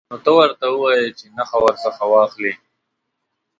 نو ته ورته ووایه چې نخښه ورڅخه واخلئ.